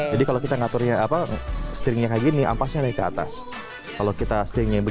jadi kalau kita ngatur ya apa stringnya kayak gini ampasnya ke atas kalau kita setingginya